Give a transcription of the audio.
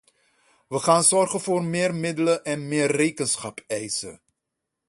We gaan zorgen voor meer middelen en meer rekenschap eisen.